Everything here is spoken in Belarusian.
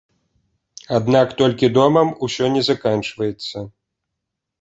Аднак толькі домам усё не заканчваецца.